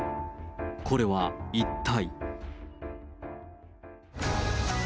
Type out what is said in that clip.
これは一体。